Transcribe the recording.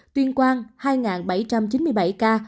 tuyên quang hai bảy trăm chín mươi bảy ca